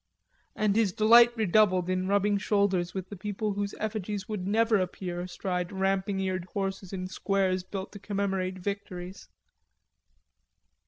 And his delight redoubled in rubbing shoulders with the people whose effigies would never appear astride ramping eared horses in squares built to commemorate victories.